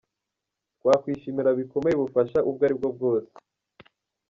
Twakwishimira bikomeye ubufasha ubwo aribwo bwose.